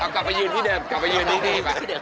กลับไปยืนที่เดิมกลับไปยืนที่ดีไป